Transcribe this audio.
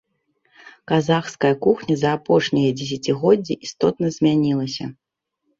Казахская кухня за апошнія дзесяцігоддзі істотна змянілася.